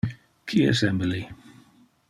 Qui es Emily?